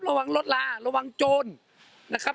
ระวังรถลาระวังโจรนะครับ